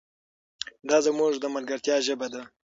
دا زموږ د ملګرتیا ژبه ده.